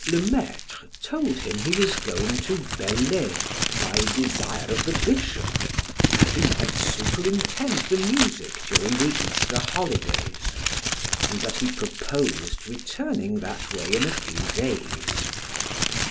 Le Maitre told him he was going to Bellay by desire of the bishop, that he might superintend the music during the Easter holidays, and that he proposed returning that way in a few days.